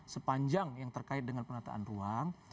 sepanjang yang terkait dengan penataan ruang